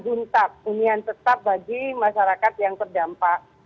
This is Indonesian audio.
untap unian tetap bagi masyarakat yang terdampak